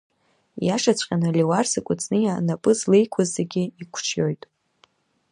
Ииашаҵәҟьаны, Леуарса Кәыҵниа напы злеикуа зегьы иқәҿиоит.